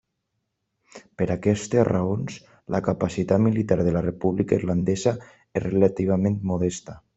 Per aquestes raons, la capacitat militar de la República irlandesa és relativament modesta.